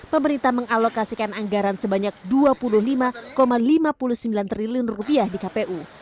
pemerintah mengalokasikan anggaran sebanyak dua puluh lima lima puluh sembilan triliun di kpu